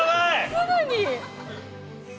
すぐに。